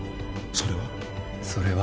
それはそれは？